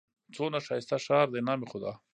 څونه ښايسته ښار دئ! نام خدا!